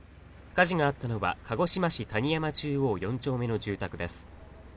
火事があったのは鹿児島市谷山中央４丁目の住宅です。